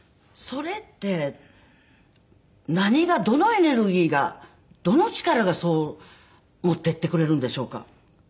それって何がどのエネルギーがどの力がそう持っていってくれるんでしょうか。